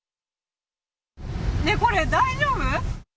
ねぇ、これ、大丈夫？